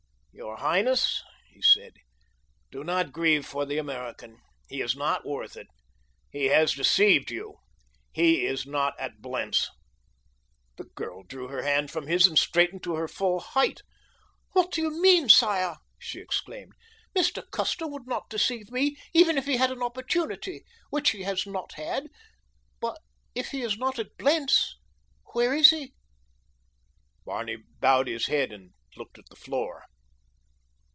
"Your highness," he said, "do not grieve for the American. He is not worth it. He has deceived you. He is not at Blentz." The girl drew her hand from his and straightened to her full height. "What do you mean, sire?" she exclaimed. "Mr. Custer would not deceive me even if he had an opportunity—which he has not had. But if he is not at Blentz, where is he?" Barney bowed his head and looked at the floor.